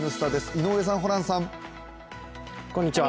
井上さん、ホランさん。